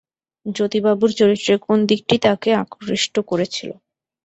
জ্যোতিবাবুর চরিত্রের কোন দিকটি তাঁকে আকৃষ্ট করেছিল?